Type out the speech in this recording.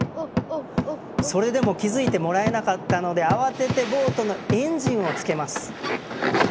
それでも気付いてもらえなかったので慌ててボートのエンジンをつけます。